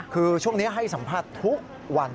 คือช่วงนี้ให้สัมภาษณ์ทุกวัน